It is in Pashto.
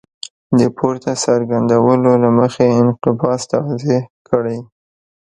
د پورته څرګندونو له مخې انقباض توضیح کړئ.